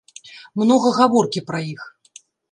Многа гаворкі пра іх.